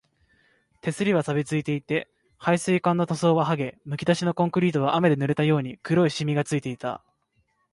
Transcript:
手すりは錆ついて、配水管の塗装ははげ、むき出しのコンクリートは雨で濡れたように黒いしみがついていた